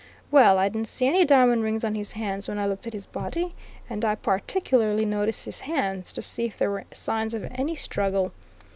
Well, I didn't see any diamond rings on his hands when I looked at his body, and I particularly noticed his hands, to see if there were signs of any struggle.